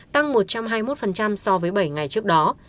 tăng một trăm hai mươi một so với bảy ngày trước đó